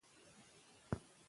د سولې او دوستۍ ژبه ده.